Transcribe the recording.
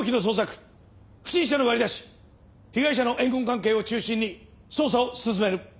不審者の割り出し被害者の怨恨関係を中心に捜査を進める。